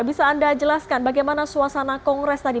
bisa anda jelaskan bagaimana suasana kongres tadi